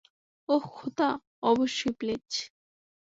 ওহ খোদা, অবশ্যই প্লিজ।